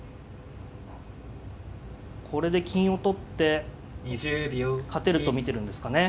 これで金を取って勝てると見てるんですかね。